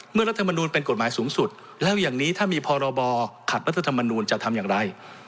รัฐมนูลเป็นกฎหมายสูงสุดแล้วอย่างนี้ถ้ามีพรบขัดรัฐธรรมนูลจะทำอย่างไร